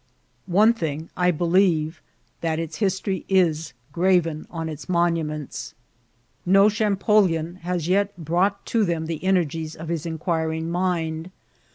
One thing I believe, that its history is graven IM IKCIDBHTB OP TEATBL. on its monuments. No Champollion has yet thought to them the energies of his inquiring mind.